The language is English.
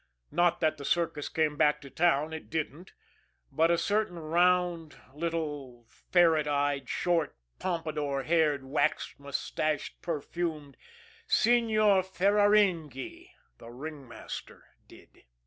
Not that the circus came back to town it didn't but a certain round, little, ferret eyed, short, pompadour haired, waxed mustached, perfumed Signor Ferraringi, the ringmaster, did.